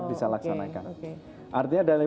bisa laksanakan artinya dari